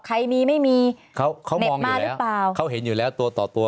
ใครมีไม่มีเหน็บมาหรือเปล่าเขามองอยู่แล้วเขาเห็นอยู่แล้วตัวต่อตัว